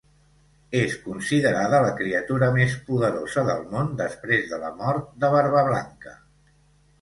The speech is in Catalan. És considerada la criatura més poderosa del món després de la mort de Barbablanca.